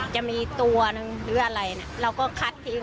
จะมีตัวหนึ่งหรืออะไรเราก็คัดทิ้ง